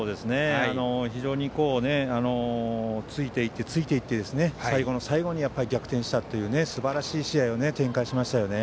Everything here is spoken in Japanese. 非常についていってついていって最後の最後に逆転したというすばらしい試合を展開しましたよね。